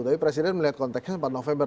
tapi presiden melihat konteksnya empat november